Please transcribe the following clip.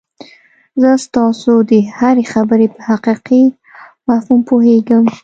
زه ستاسو د هرې خبرې په حقيقي مفهوم پوهېږم.